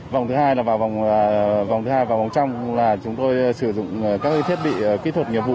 vòng thứ hai là vào vòng trong là chúng tôi sử dụng các thiết bị kỹ thuật nghiệp vụ